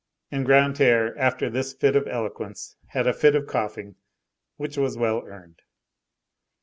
And Grantaire, after this fit of eloquence, had a fit of coughing, which was well earned.